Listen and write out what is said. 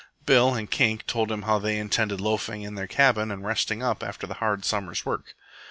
Bill and Kink told him how they intended loafing in their cabin and resting up after the hard summer's work.